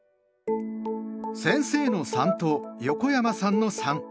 先生の「三」と横山さんの「三」。